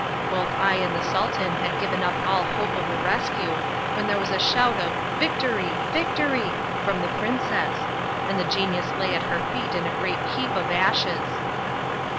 Both I and the Sultan had given up all hope of a rescue, when there was a shout of "Victory, victory!" from the princess, and the genius lay at her feet a great heap of ashes.